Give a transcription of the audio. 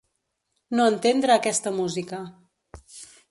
No entendre aquesta música.